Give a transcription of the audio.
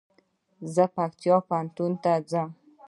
زه پکتيا پوهنتون ته ځم